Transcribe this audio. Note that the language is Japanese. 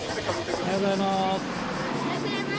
おはようございます。